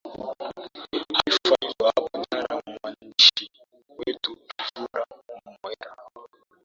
aifa hilo hapo jana mwandishi wetu zuhra mwera